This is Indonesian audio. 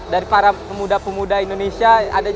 dari para pemuda pemuda indonesia